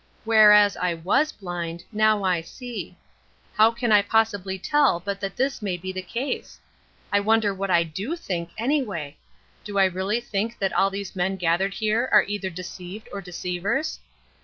"'Whereas I was blind, now I see!' How can I possibly tell but that this may be the case? I wonder what I do think anyway? Do I really think that all these men gathered here are either deceived or deceivers?